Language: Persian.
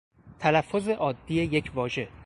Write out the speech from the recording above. تلفظ عادی یک واژه